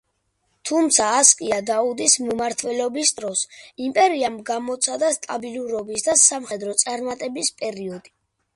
თუმცა ასკია დაუდის მმართველობის დროს, იმპერიამ გამოცადა სტაბილურობის და სამხედრო წარმატების პერიოდი.